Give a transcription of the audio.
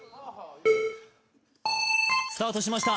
スタートしました